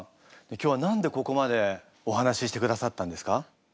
今日は何でここまでお話ししてくださったんですか？